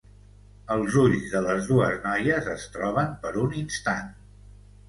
Els ulls de les dues noies es troben per un instant.